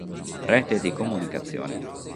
Rete di comunicazione